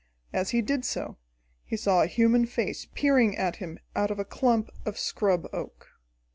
As he did so, he saw a human face peering at him out of a clump of scrub oak.